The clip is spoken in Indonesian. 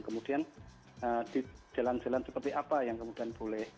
kemudian di jalan jalan seperti apa yang kemudian boleh